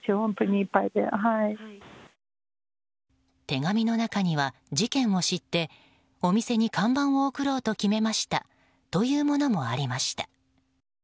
手紙の中には、事件を知ってお店に看板を送ろうと決めましたというものもありました。